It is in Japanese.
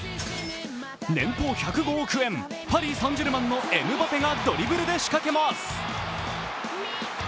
年俸１０５億円、パリ・サン＝ジェルマンのエムバペがドリブルで仕掛けます。